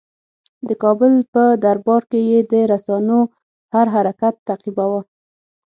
د کابل په دربار کې یې د روسانو هر حرکت تعقیباوه.